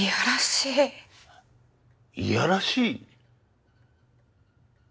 いやらしい？